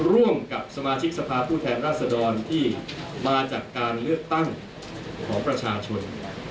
ร่วมกับสมาชิกสภาพผู้แทนราชดรที่มาจากการเลือกตั้งของประชาชน